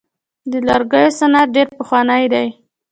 د لرګیو صنعت ډیر پخوانی دی.